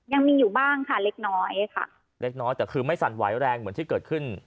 ยังมีอยู่บ้างค่ะเล็กน้อยค่ะเล็กน้อยแต่คือไม่สั่นไหวแรงเหมือนที่เกิดขึ้น